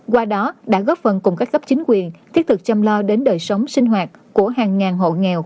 qua đó đã góp phần cùng các cấp chính quyền thiết thực chăm lo đến đời sống sinh hoạt của hàng ngàn hộ nghèo